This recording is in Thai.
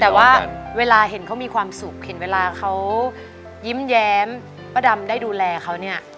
แต่ว่าเวลาเห็นเขามีความสุขเห็นเวลาเขายิ้มแย้มป้าดำได้ดูแลเขาเนี่ย